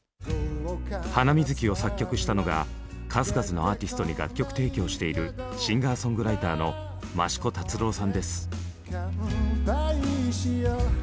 「ハナミズキ」を作曲したのが数々のアーティストに楽曲提供しているシンガーソングライターのマシコタツロウさんです。